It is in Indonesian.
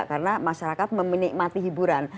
karena masyarakat memenikmati hiburan